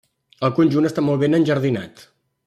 El conjunt està molt ben enjardinat.